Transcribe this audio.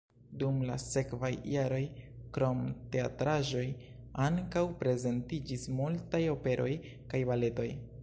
Dum la sekvaj jaroj krom teatraĵoj ankaŭ prezentiĝis multaj operoj kaj baletoj.